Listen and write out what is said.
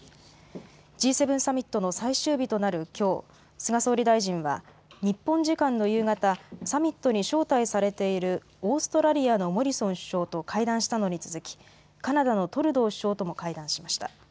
Ｇ７サミットの最終日となるきょう菅総理大臣は日本時間の夕方サミットに招待されているオーストラリアのモリソン首相と会談したのに続きカナダのトルドー首相とも会談しました。